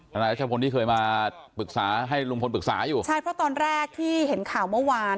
นายรัชพลที่เคยมาปรึกษาให้ลุงพลปรึกษาอยู่ใช่เพราะตอนแรกที่เห็นข่าวเมื่อวาน